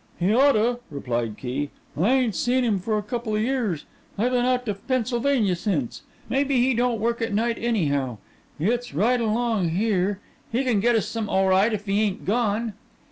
"He oughta," replied Key. "I ain't seen him for a coupla years. I been out to Pennsylvania since. Maybe he don't work at night anyhow. It's right along here. He can get us some o'right if he ain't gone."